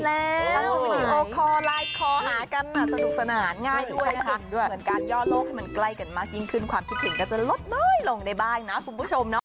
พอโลกให้มันใกล้กันมากยิ่งขึ้นความคิดถึงก็จะลดเลยลงในบ้านนะคุณผู้ชม